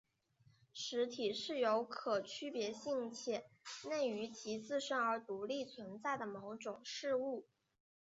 实体是有可区别性且内于其自身而独立存在的某种事物。